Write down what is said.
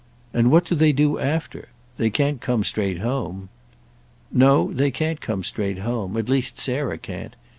"And what do they do after? They can't come straight home." "No, they can't come straight home—at least Sarah can't.